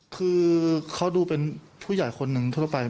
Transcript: คือเขาดูเป็นผู้ใหญ่คนหนึ่งทั่วไป